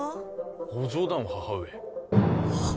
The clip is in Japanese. ご冗談を母上はッ？